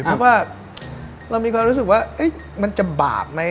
เพราะว่าเรามีความรู้สึกว่ามันจะบาปไหม